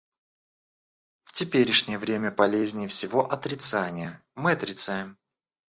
В теперешнее время полезнее всего отрицание - мы отрицаем.